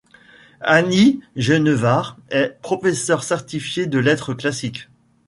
Annie Genevard est professeur certifié de lettres classiques.